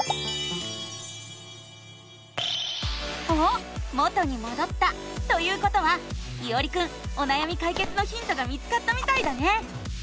おっ元にもどったということはいおりくんおなやみかいけつのヒントが見つかったみたいだね！